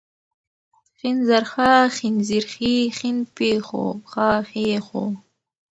ښ زر ښا، ښېن زير ښې ، ښين پيښ ښو ، ښا ښې ښو